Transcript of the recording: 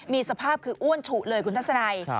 มีสภาพคืออ้วนฉุเลยคุณทัศนัย